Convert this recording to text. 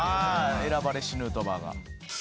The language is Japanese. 選ばれしヌートバーが。